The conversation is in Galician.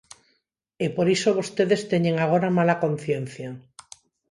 E por iso vostedes teñen agora mala conciencia.